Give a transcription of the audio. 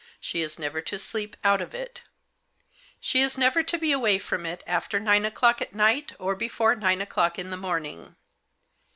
She is never to sleep out of it She is never to be away from it after nine o'clock at night or before nine o'clock in the morning.